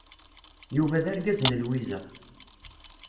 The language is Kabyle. Yuba d argaz n Lwiza.